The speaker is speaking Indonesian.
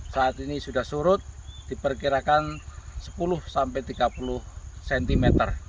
saat ini sudah surut diperkirakan sepuluh sampai tiga puluh cm